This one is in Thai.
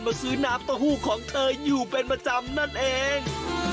ซื้อน้ำเต้าหู้ของเธออยู่เป็นประจำนั่นเอง